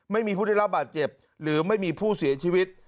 ไม่มีผู้ได้รับบาดเจ็บหรือไม่มีผู้เสียชีวิต